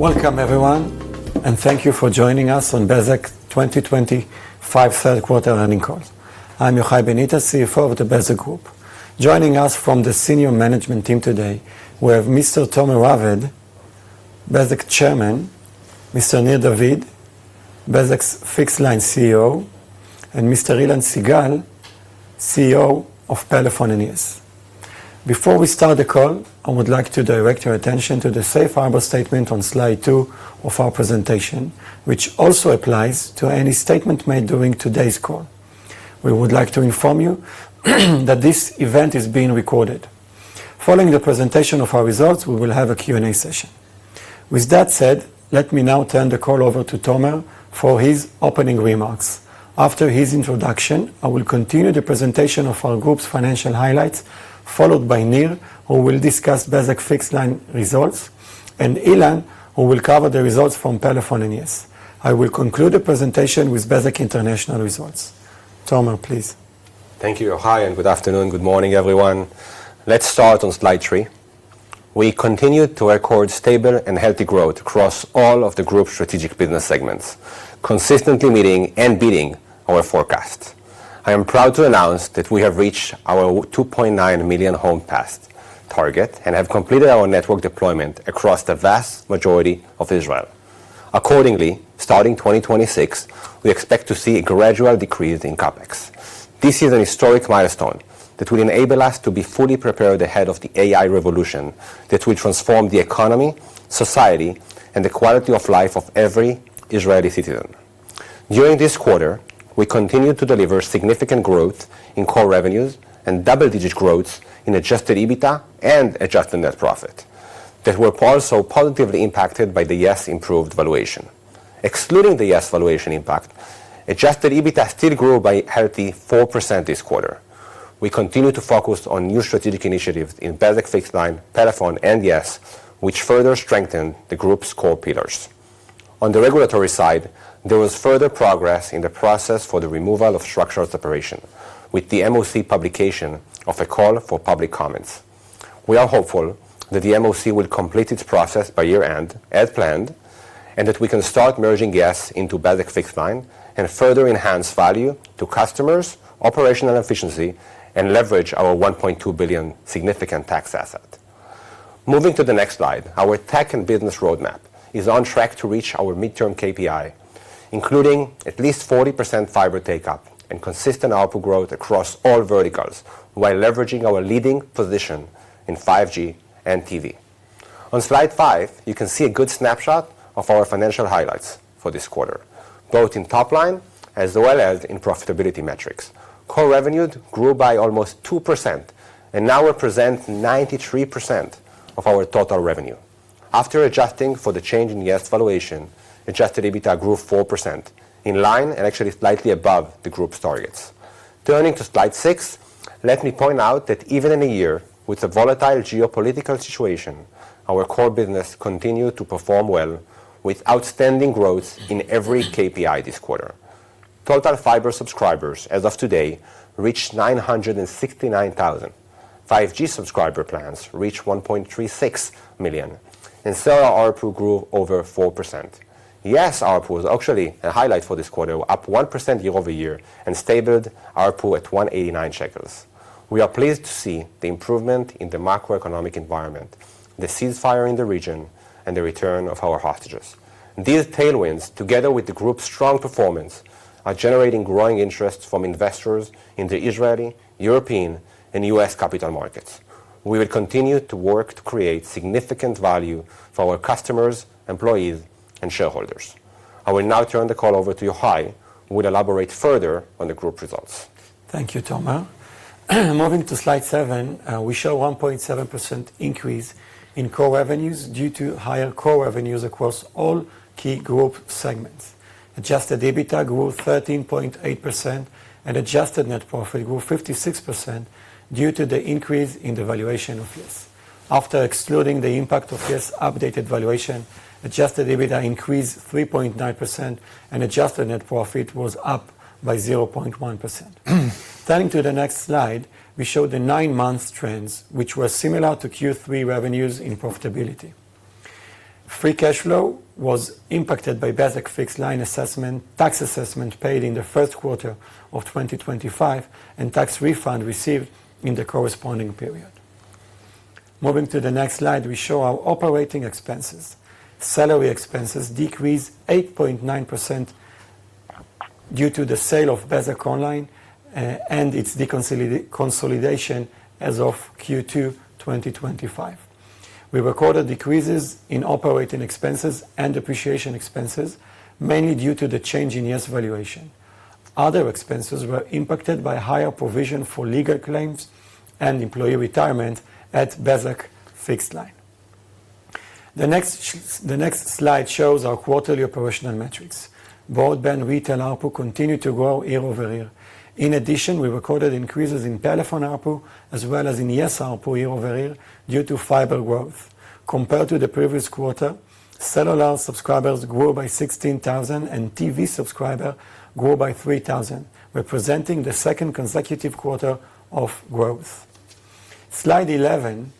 Welcome, everyone, and thank you for joining us on Bezeq 2020 third quarter earning call. I'm Yohai Benita, CFO of the Bezeq Group. Joining us from the Senior Management Team today, we have Mr. Tomer Raved, Bezeq Chairman; Mr. Nir David, Bezeq Fixed-Line CEO; and Mr. Ilan Sigal, CEO of Pelephone and yes. Before we start the call, I would like to direct your attention to the safe harbor statement on slide two of our presentation, which also applies to any statement made during today's call. We would like to inform you that this event is being recorded. Following the presentation of our results, we will have a Q&A session. With that said, let me now turn the call over to Tom for his opening remarks. After his introduction, I will continue the presentation of our group's financial highlights, followed by Nir, who will discuss Bezeq Fixed-Line results, and Ilan, who will cover the results from Pelephone and yes. I will conclude the presentation with Bezeq International results. Tom, please. Thank you, Yohai, and good afternoon, good morning, everyone. Let's start on slide three. We continue to record stable and healthy growth across all of the group's strategic business segments, consistently meeting and beating our forecast. I am proud to announce that we have reached our 2.9 million home passed target and have completed our network deployment across the vast majority of Israel. Accordingly, starting 2026, we expect to see a gradual decrease in CapEx. This is a historic milestone that will enable us to be fully prepared ahead of the AI revolution that will transform the economy, society, and the quality of life of every Israeli citizen. During this quarter, we continue to deliver significant growth in core revenues and double-digit growth in adjusted EBITDA and adjusted net profit, that were also positively impacted by the yes improved valuation. Excluding the yes valuation impact, adjusted EBITDA still grew by a healthy 4% this quarter. We continue to focus on new strategic initiatives in Bezeq Fixed-Line, Pelephone, and yes, which further strengthen the group's core pillars. On the regulatory side, there was further progress in the process for the removal of structural separation, with the MOC publication of a call for public comments. We are hopeful that the MOC will complete its process by year-end, as planned, and that we can start merging yes into Bezeq Fixed-Line and further enhance value to customers, operational efficiency, and leverage our NIS 1.2 billion significant tax asset. Moving to the next slide, our tech and business roadmap is on track to reach our midterm KPI, including at least 40% fiber take-up and consistent output growth across all verticals, while leveraging our leading position in 5G and TV. On slide five, you can see a good snapshot of our financial highlights for this quarter, both in top line as well as in profitability metrics. Core revenue grew by almost 2%, and now represents 93% of our total revenue. After adjusting for the change in yes valuation, Adjusted EBITDA grew 4% in line and actually slightly above the group's targets. Turning to slide six, let me point out that even in a year with a volatile geopolitical situation, our core business continued to perform well with outstanding growth in every KPI this quarter. Total fiber subscribers as of today reached 969,000. 5G subscriber plans reached 1.36 million, and cellular output grew over 4%. Yes output was actually a highlight for this quarter, up 1% year over year and stabilized output at NIS 189. We are pleased to see the improvement in the macroeconomic environment, the ceasefire in the region, and the return of our hostages. These tailwinds, together with the group's strong performance, are generating growing interest from investors in the Israeli, European, and U.S. capital markets. We will continue to work to create significant value for our customers, employees, and shareholders. I will now turn the call over to Yohai, who will elaborate further on the group results. Thank you, Tom. Moving to slide seven, we show a 1.7% increase in core revenues due to higher core revenues across all key group segments. Adjusted EBITDA grew 13.8%, and adjusted net profit grew 56% due to the increase in the valuation of yes. After excluding the impact of yes updated valuation, adjusted EBITDA increased 3.9%, and adjusted net profit was up by 0.1%. Turning to the next slide, we show the nine-month trends, which were similar to Q3 revenues in profitability. Free cash flow was impacted by Bezeq Fixed-Line tax assessment paid in the first quarter of 2025 and tax refund received in the corresponding period. Moving to the next slide, we show our operating expenses. Salary expenses decreased 8.9% due to the sale of Bezeq Online and its consolidation as of Q2 2025. We recorded decreases in operating expenses and appreciation expenses, mainly due to the change in yes valuation. Other expenses were impacted by higher provision for legal claims and employee retirement at Bezeq Fixed-Line. The next slide shows our quarterly operational metrics. Broadband retail output continued to grow year over year. In addition, we recorded increases in Pelephone output as well as in yes output year over year due to fiber growth. Compared to the previous quarter, cellular subscribers grew by 16,000 and TV subscribers grew by 3,000, representing the second consecutive quarter of growth. Slide 11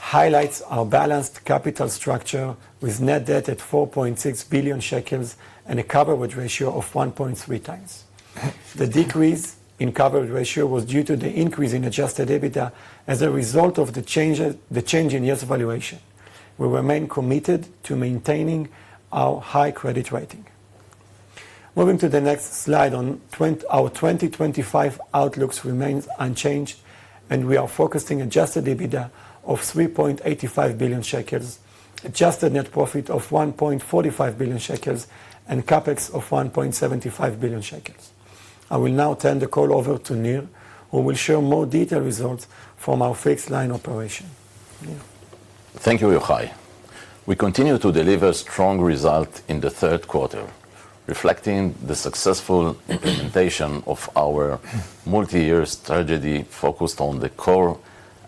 highlights our balanced capital structure with net debt at NIS 4.6 billion and a coverage ratio of 1.3x. The decrease in coverage ratio was due to the increase in adjusted EBITDA as a result of the change in yes valuation. We remain committed to maintaining our high credit rating. Moving to the next slide, our 2025 outlooks remain unchanged, and we are focusing on adjusted EBITDA of NIS 3.85 billion, adjusted net profit of NIS 1.45 billion, and CapEx of NIS 1.75 billion. I will now turn the call over to Nir, who will share more detailed results from our Fixed-Line operation. Thank you, Yohai. We continue to deliver strong results in the third quarter, reflecting the successful implementation of our multi-year strategy focused on the core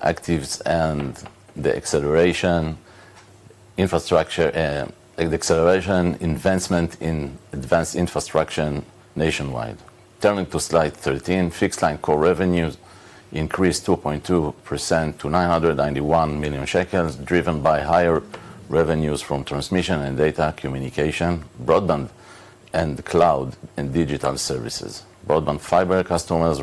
activities and the acceleration infrastructure and advancement in advanced infrastructure nationwide. Turning to slide 13, Fixed-Line core revenues increased 2.2% to NIS 991 million, driven by higher revenues from transmission and data communication, broadband, and cloud and digital services. Broadband fiber customers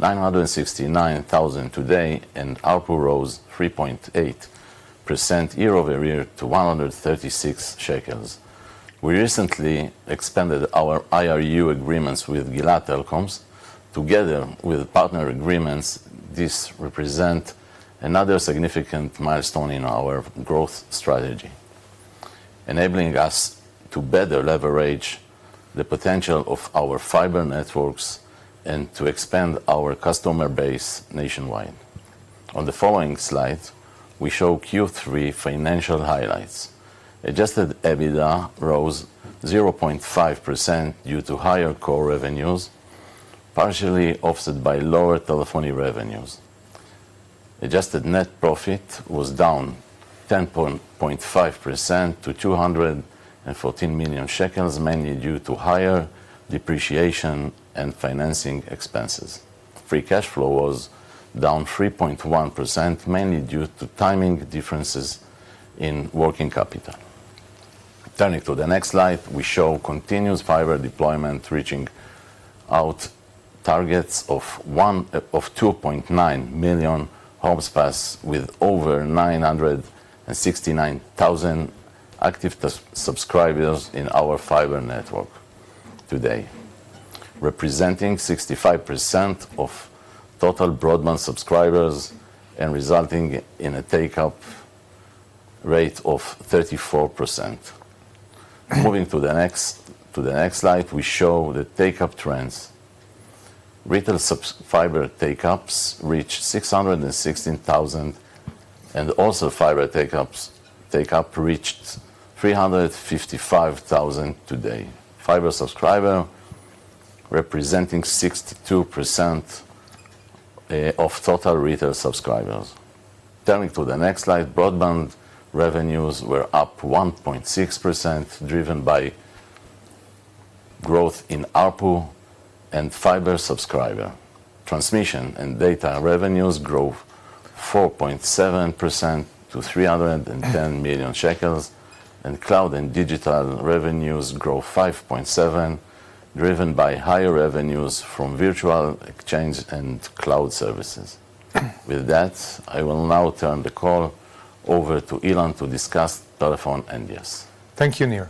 reached 969,000 today, and output rose 3.8% year over year to NIS 136. We recently expanded our IRU agreements with Gila Telecoms. Together with partner agreements, this represents another significant milestone in our growth strategy, enabling us to better leverage the potential of our fiber networks and to expand our customer base nationwide. On the following slide, we show Q3 financial highlights. Adjusted EBITDA rose 0.5% due to higher core revenues, partially offset by lower Telephone revenues. Adjusted net profit was down 10.5% to NIS 214 million, mainly due to higher depreciation and financing expenses. Free cash flow was down 3.1%, mainly due to timing differences in working capital. Turning to the next slide, we show continuous fiber deployment reaching our targets of 2.9 million home passes with over 969,000 active subscribers in our fiber network today, representing 65% of total broadband subscribers and resulting in a take-up rate of 34%. Moving to the next slide, we show the take-up trends. Retail fiber take-ups reached 616,000, and wholesale fiber take-up reached 355,000 today. Fiber subscribers representing 62% of total retail subscribers. Turning to the next slide, broadband revenues were up 1.6%, driven by growth in output and fiber subscribers. Transmission and data revenues grew 4.7% to NIS 310 million, and cloud and digital revenues grew 5.7%, driven by higher revenues from virtual exchange and cloud services. With that, I will now turn the call over to Ilan to discuss Pelephone and yes. Thank you, Nir.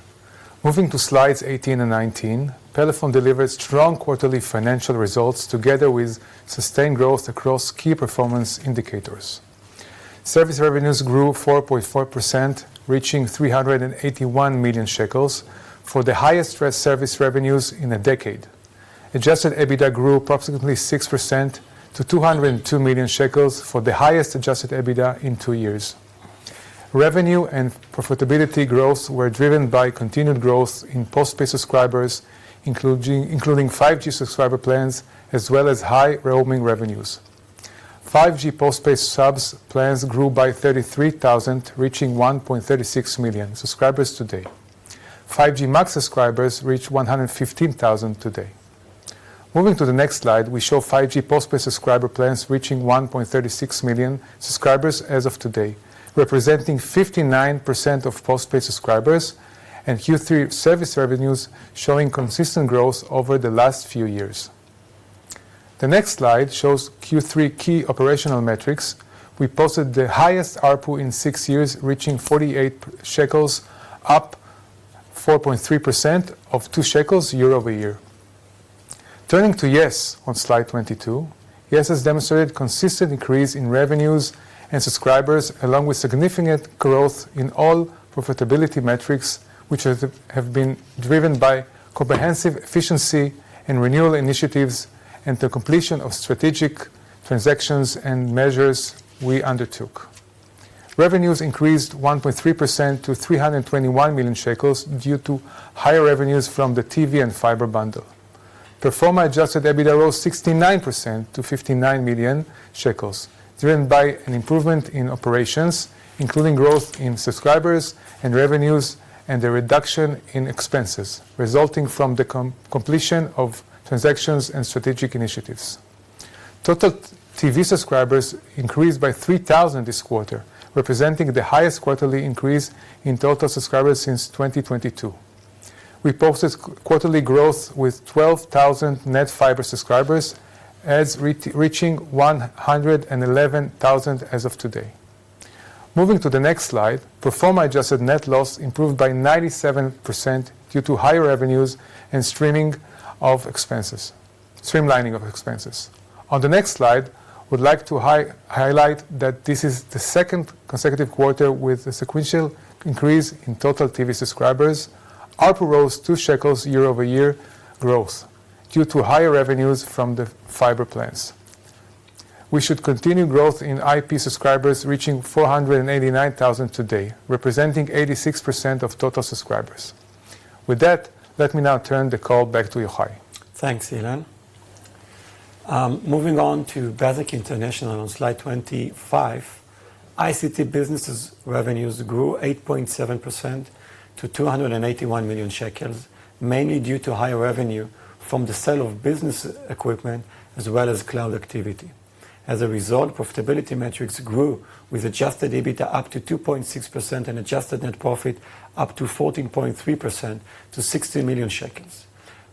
Moving to slides 18 and 19, Pelephone delivered strong quarterly financial results together with sustained growth across key performance indicators. Service revenues grew 4.4%, reaching NIS 381 million for the highest service revenues in a decade. Adjusted EBITDA grew approximately 6% to NIS 202 million for the highest adjusted EBITDA in two years. Revenue and profitability growth were driven by continued growth in post-paid subscribers, including 5G subscriber plans, as well as high roaming revenues. 5G post-paid subs plans grew by 33,000, reaching 1.36 million subscribers today. 5G Max subscribers reached 115,000 today. Moving to the next slide, we show 5G post-paid subscriber plans reaching 1.36 million subscribers as of today, representing 59% of post-paid subscribers, and Q3 service revenues showing consistent growth over the last few years. The next slide shows Q3 key operational metrics. We posted the highest output in six years, reaching NIS 48, up 4.3% or NIS 2 year over year. Turning to yes on slide 22, yes has demonstrated consistent increase in revenues and subscribers, along with significant growth in all profitability metrics, which have been driven by comprehensive efficiency and renewal initiatives and the completion of strategic transactions and measures we undertook. Revenues increased 1.3% to NIS 321 million due to higher revenues from the TV and fiber bundle. Performer adjusted EBITDA rose 69% to NIS 59 million, driven by an improvement in operations, including growth in subscribers and revenues, and a reduction in expenses resulting from the completion of transactions and strategic initiatives. Total TV subscribers increased by 3,000 this quarter, representing the highest quarterly increase in total subscribers since 2022. We posted quarterly growth with 12,000 net fiber subscribers, reaching 111,000 as of today. Moving to the next slide, performer adjusted net loss improved by 97% due to higher revenues and streamlining of expenses. On the next slide, I would like to highlight that this is the second consecutive quarter with a sequential increase in total TV subscribers. Output rose NIS 2 year over year growth due to higher revenues from the fiber plans. We should continue growth in IP subscribers, reaching 489,000 today, representing 86% of total subscribers. With that, let me now turn the call back to Yohai. Thanks, Ilan. Moving on to Bezeq International on slide 25, ICT businesses' revenues grew 8.7% to NIS 281 million, mainly due to higher revenue from the sale of business equipment as well as cloud activity. As a result, profitability metrics grew with adjusted EBITDA up to 2.6% and adjusted net profit up to 14.3% to NIS 60 million.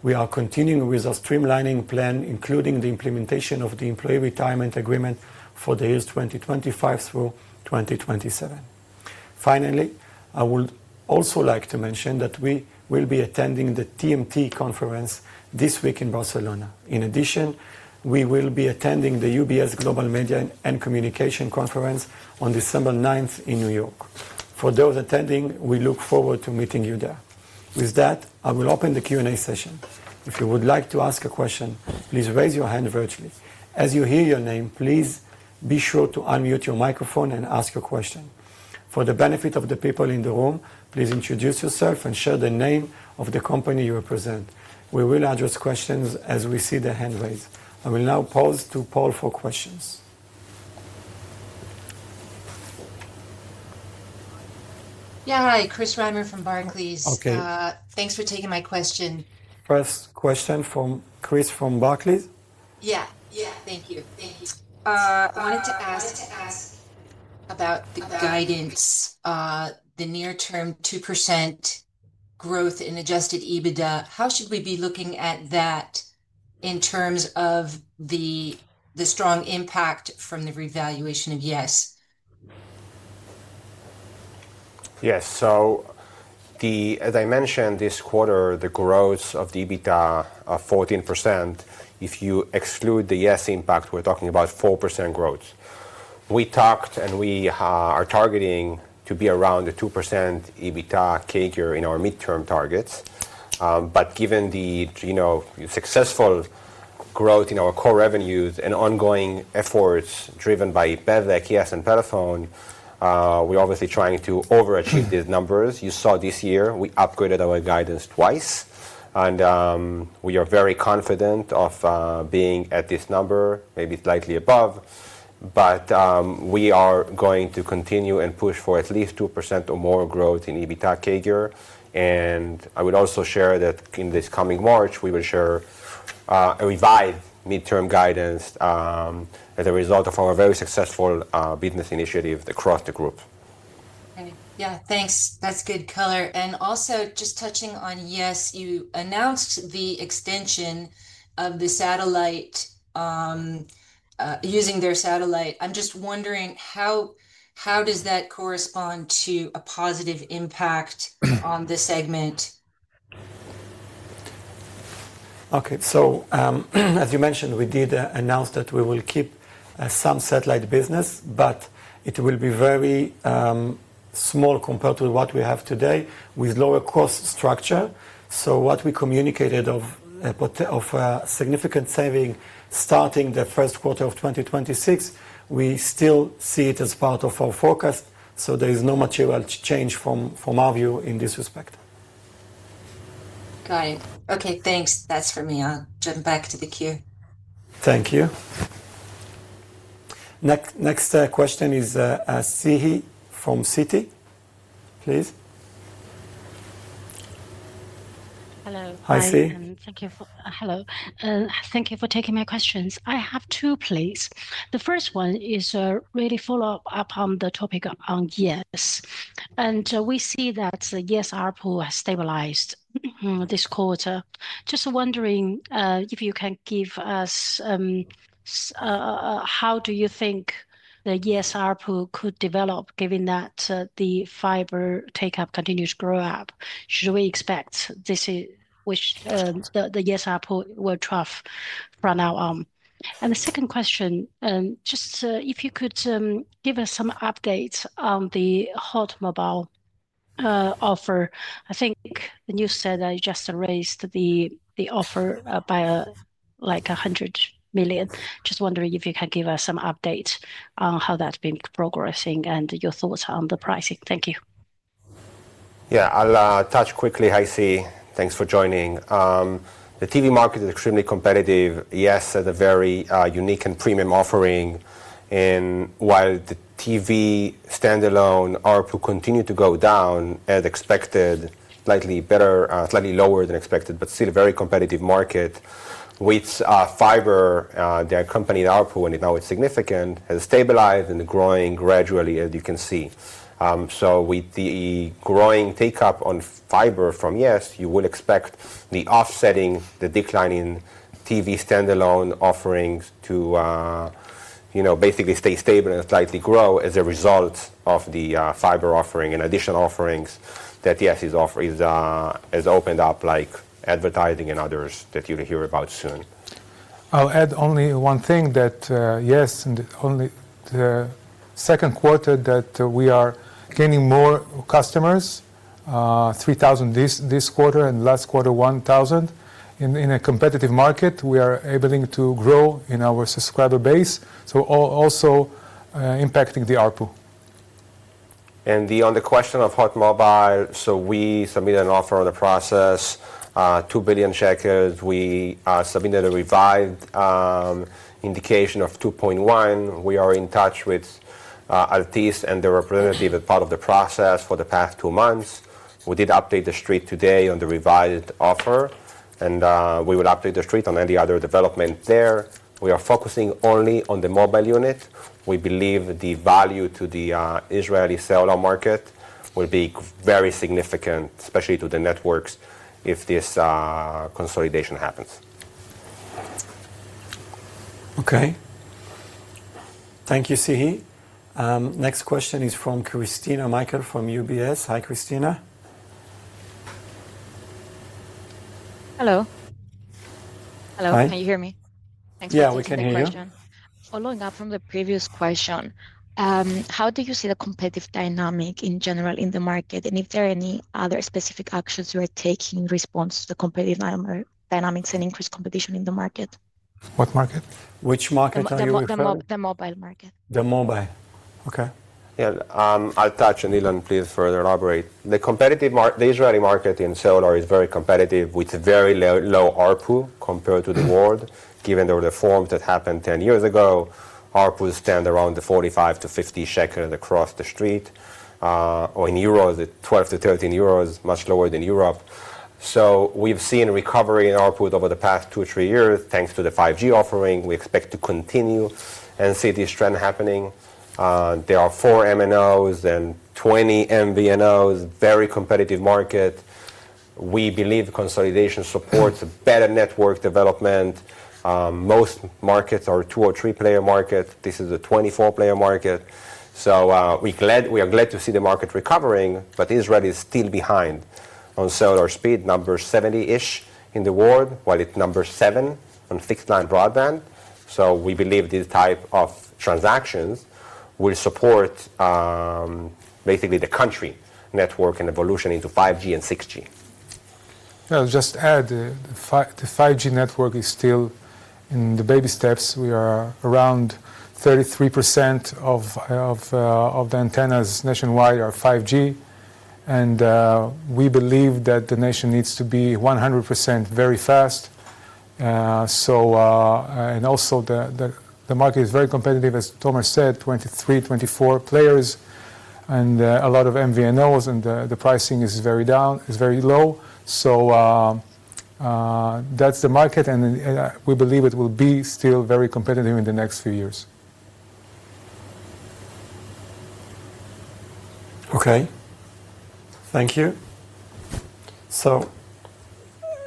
We are continuing with our streamlining plan, including the implementation of the employee retirement agreement for the years 2025 through 2027. Finally, I would also like to mention that we will be attending the TMT conference this week in Barcelona. In addition, we will be attending the UBS Global Media and Communication Conference on December 9 in New York. For those attending, we look forward to meeting you there. With that, I will open the Q&A session. If you would like to ask a question, please raise your hand virtually. As you hear your name, please be sure to unmute your microphone and ask your question. For the benefit of the people in the room, please introduce yourself and share the name of the company you represent. We will address questions as we see the hand raised. I will now pause to poll for questions. Yeah, hi, Chris Reimer from Barclays. Okay. Thanks for taking my question. First question from Chris Reimer from Barclays. Yeah, yeah, thank you. Thank you. I wanted to ask about the guidance, the near-term 2% growth in adjusted EBITDA. How should we be looking at that in terms of the strong impact from the revaluation of yes? Yes. As I mentioned, this quarter, the growth of EBITDA of 14%, if you exclude the yes impact, we're talking about 4% growth. We talked and we are targeting to be around the 2% EBITDA figure in our midterm targets. Given the successful growth in our core revenues and ongoing efforts driven by Bezeq, yes, and Pelephone, we're obviously trying to overachieve these numbers. You saw this year, we upgraded our guidance twice, and we are very confident of being at this number, maybe slightly above. We are going to continue and push for at least 2% or more growth in EBITDA figure. I would also share that in this coming March, we will share a revived midterm guidance as a result of our very successful business initiative across the group. Yeah, thanks. That's good color. Also, just touching on yes, you announced the extension of the satellite, using their satellite. I'm just wondering, how does that correspond to a positive impact on the segment? Okay. As you mentioned, we did announce that we will keep some satellite business, but it will be very small compared to what we have today with lower cost structure. What we communicated of a significant saving starting the first quarter of 2026, we still see it as part of our forecast. There is no material change from our view in this respect. Got it. Okay, thanks. That's for me. I'll jump back to the queue. Thank you. Next question is Siyi He from Citi, please. Hello. Hi, Siyi He. Thank you. Hello. Thank you for taking my questions. I have two, please. The first one is really follow-up upon the topic on yes. And we see that yes ARPU has stabilized this quarter. Just wondering if you can give us how do you think the yes ARPU could develop given that the fiber take-up continues to grow up? Should we expect this is which the yes ARPU will trough from now on? The second question, just if you could give us some updates on the HOT Mobile offer. I think the news said that you just raised the offer by like NIS 100 million. Just wondering if you can give us some updates on how that's been progressing and your thoughts on the pricing. Thank you. Yeah, I'll touch quickly, Haisi. Thanks for joining. The TV market is extremely competitive. Yes, it's a very unique and premium offering. While the TV standalone output continued to go down as expected, slightly better, slightly lower than expected, but still a very competitive market. With fiber, the accompanied output, and now it's significant, has stabilized and is growing gradually, as you can see. With the growing take-up on fiber from yes, you will expect the offsetting, the declining TV standalone offerings to basically stay stable and slightly grow as a result of the fiber offering and additional offerings that yes has opened up, like advertising and others that you'll hear about soon. I'll add only one thing that yes, and only the second quarter that we are gaining more customers, 3,000 this quarter and last quarter 1,000. In a competitive market, we are able to grow in our subscriber base, so also impacting the output. On the question of HOT Mobile, we submitted an offer on the process, NIS 2 billion. We submitted a revived indication of NIS 2.1 billion. We are in touch with Altice and their representative as part of the process for the past two months. We did update the street today on the revived offer, and we will update the street on any other development there. We are focusing only on the mobile unit. We believe the value to the Israeli cellular market will be very significant, especially to the networks, if this consolidation happens. Okay. Thank you, Siyi He. Next question is from Christina Michael from UBS. Hi, Christina. Hello. Hello. Can you hear me? Yeah, we can hear you. Following up from the previous question, how do you see the competitive dynamic in general in the market, and if there are any other specific actions you are taking in response to the competitive dynamics and increased competition in the market? What market? Which market are you referring to? The mobile market. The mobile. Okay. Yeah, I'll touch on Ilan, please, for the elaborate. The competitive Israeli market in cellular is very competitive with very low ARPU compared to the world. Given the reforms that happened 10 years ago, ARPU stands around NIS 45-NIS 50 across the street. Or in euros, 12-13 euros, much lower than Europe. We have seen recovery in ARPU over the past two or three years, thanks to the 5G offering. We expect to continue and see this trend happening. There are four MNOs and 20 MVNOs, very competitive market. We believe consolidation supports better network development. Most markets are two or three-player markets. This is a 24-player market. We are glad to see the market recovering, but Israel is still behind on cellular speed, number 70-ish in the world, while it is number 7 on fixed-line broadband. We believe this type of transactions will support basically the country network and evolution into 5G and 6G. I'll just add the 5G network is still in the baby steps. We are around 33% of the antennas nationwide are 5G. We believe that the nation needs to be 100% very fast. Also, the market is very competitive, as Tom has said, 23, 24 players, and a lot of MVNOs, and the pricing is very low. That's the market, and we believe it will be still very competitive in the next few years. Okay. Thank you.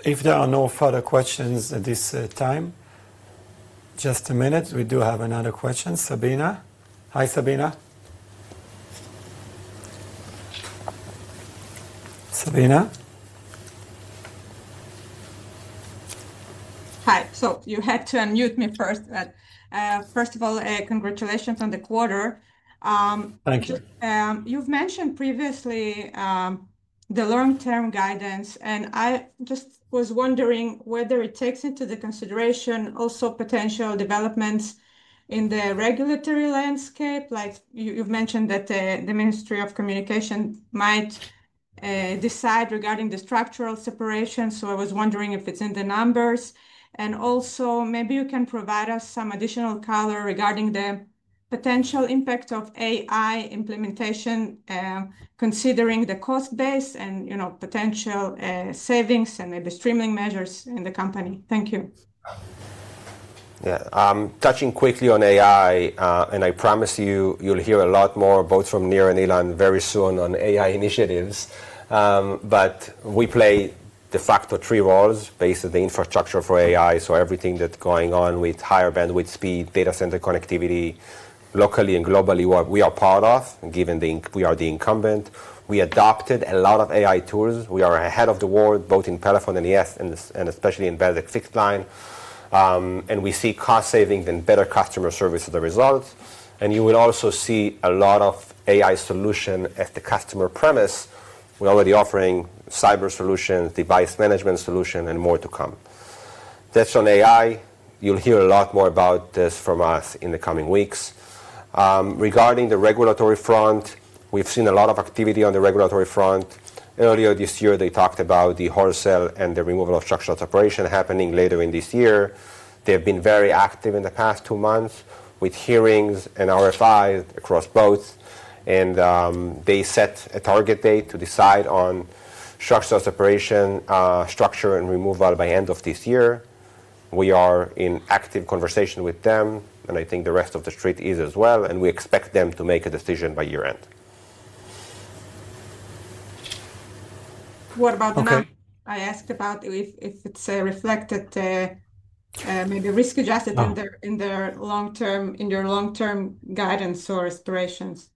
If there are no further questions at this time, just a minute, we do have another question. Sabina. Hi, Sabina. Sabina. Hi. You had to unmute me first. First of all, congratulations on the quarter. Thank you. You've mentioned previously the long-term guidance, and I just was wondering whether it takes into consideration also potential developments in the regulatory landscape. Like you've mentioned that the Ministry of Communications might decide regarding the structural separation. I was wondering if it's in the numbers. Also, maybe you can provide us some additional color regarding the potential impact of AI implementation, considering the cost base and potential savings and maybe streaming measures in the company. Thank you. Yeah. Touching quickly on AI, and I promise you you'll hear a lot more, both from Nir and Ilan, very soon on AI initiatives. We play de facto three roles based on the infrastructure for AI. Everything that's going on with higher bandwidth speed, data center connectivity, locally and globally, we are part of, given we are the incumbent. We adopted a lot of AI tools. We are ahead of the world, both in Pelephone and yes, and especially in Bezeq Fixed-Line. We see cost savings and better customer service as a result. You will also see a lot of AI solutions at the customer premise. We're already offering cyber solutions, device management solutions, and more to come. That's on AI. You'll hear a lot more about this from us in the coming weeks. Regarding the regulatory front, we've seen a lot of activity on the regulatory front. Earlier this year, they talked about the wholesale and the removal of structural separation happening later in this year. They've been very active in the past two months with hearings and RFIs across both. They set a target date to decide on structural separation structure and removal by end of this year. We are in active conversation with them, and I think the rest of the street is as well. We expect them to make a decision by year-end. What about now? I asked about if it's reflected maybe risk-adjusted in their long-term guidance or aspirations.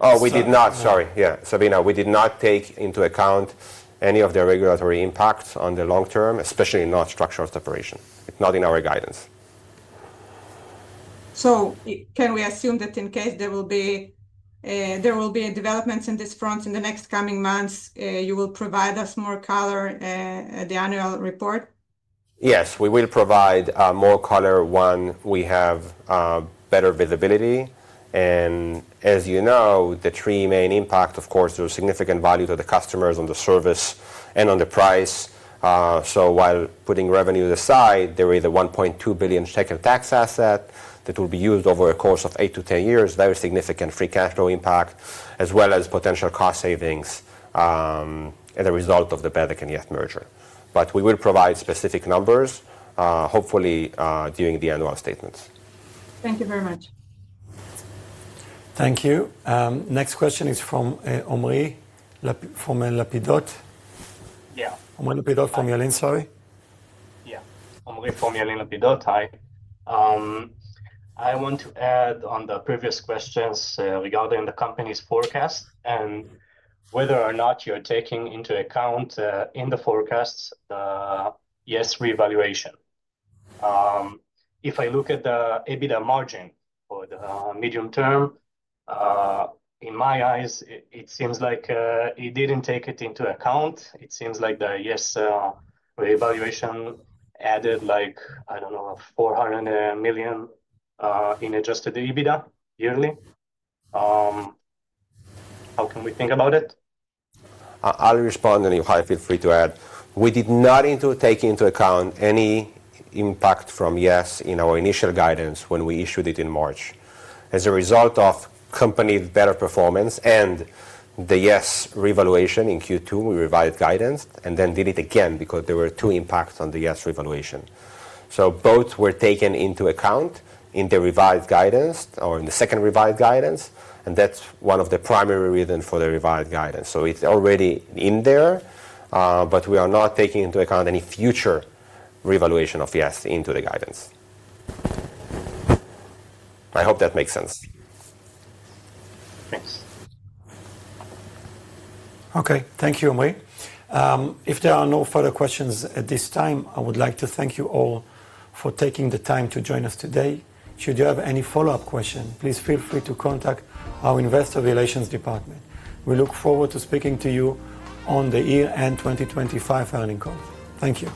Oh, we did not, sorry. Yeah, Sabina, we did not take into account any of the regulatory impacts on the long term, especially not structural separation. It's not in our guidance. Can we assume that in case there will be developments in this front in the next coming months, you will provide us more color in the annual report? Yes, we will provide more color when we have better visibility. As you know, the three main impacts, of course, there is significant value to the customers on the service and on the price. While putting revenues aside, there is an NIS 1.2 billion tax asset that will be used over a course of 8-10 years, very significant free cash flow impact, as well as potential cost savings as a result of the Bezeq and yes merger. We will provide specific numbers, hopefully during the annual statements. Thank you very much. Thank you. Next question is from Laurent Psagot. Yeah. Laurent Lapidotte from Yalin, sorry. Yeah. Laurent Psagot from Yalin, hi. I want to add on the previous questions regarding the company's forecast and whether or not you're taking into account in the forecasts the yes revaluation. If I look at the EBITDA margin for the medium term, in my eyes, it seems like it didn't take it into account. It seems like the yes revaluation added, like, I don't know, 400 million in adjusted EBITDA yearly. How can we think about it? I'll respond, and if I feel free to add. We did not take into account any impact from yes in our initial guidance when we issued it in March. As a result of company better performance and the yes revaluation in Q2, we revised guidance and then did it again because there were two impacts on the yes revaluation. Both were taken into account in the revised guidance or in the second revised guidance, and that's one of the primary reasons for the revised guidance. It's already in there, but we are not taking into account any future revaluation of yes into the guidance. I hope that makes sense. Thanks. Okay, thank you, Laurent. If there are no further questions at this time, I would like to thank you all for taking the time to join us today. Should you have any follow-up questions, please feel free to contact our investor relations department. We look forward to speaking to you on the year-end 2025 earnings call. Thank you.